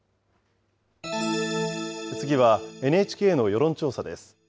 次は、ＮＨＫの世論調査です。